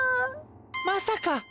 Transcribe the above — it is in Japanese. まさか？